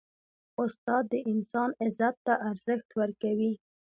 استاد د انسان عزت ته ارزښت ورکوي.